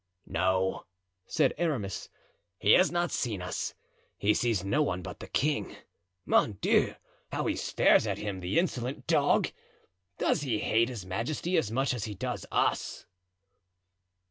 "No," said Aramis, "he has not seen us. He sees no one but the king. Mon Dieu! how he stares at him, the insolent dog! Does he hate his majesty as much as he does us?"